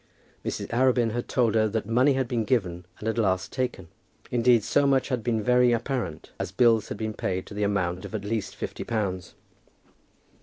Mrs. Arabin had told her that money had been given, and at last taken. Indeed, so much had been very apparent, as bills had been paid to the amount of at least fifty pounds.